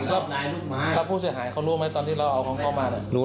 แล้วผู้เสียหายเขารู้ไหมตอนที่เราเอาของเขามาน่ะรู้